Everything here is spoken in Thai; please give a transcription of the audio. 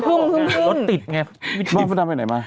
แล้วติดไงเค้าเอาไปไหนมา